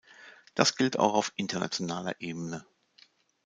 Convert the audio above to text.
Das gilt auch auf internationaler Ebene.